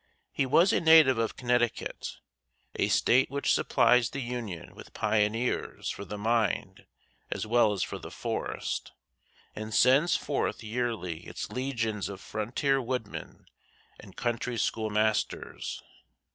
He was a native of Connecticut, a State which supplies the Union with pioneers for the mind as well as for the forest, and sends forth yearly its legions of frontier woodmen and country schoolmasters.